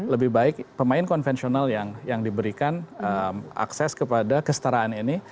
lebih baik pemain konvensional yang diberikan akses kepada kestaraan ini